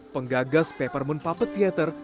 penggagas peppermint puppet theater